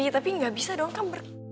tapi gak bisa dong kamu ber